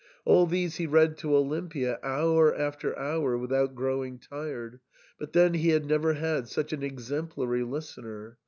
All these he read to Olirapia hour after hour without growing tired ; but then he had never had such an exemplary listener.